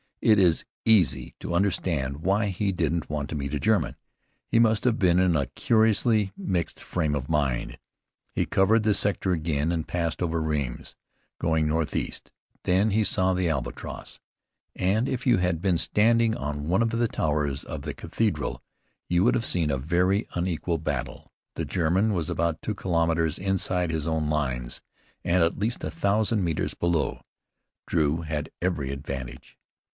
It is easy to understand why he didn't want to meet a German. He must have been in a curiously mixed frame of mind. He covered the sector again and passed over Rheims, going northeast. Then he saw the Albatross; "and if you had been standing on one of the towers of the cathedral you would have seen a very unequal battle." The German was about two kilometres inside his own lines, and at least a thousand metres below. Drew had every advantage.